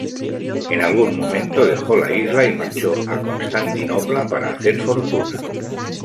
En algún momento, dejó la isla y marchó a Constantinopla para hacer fortuna.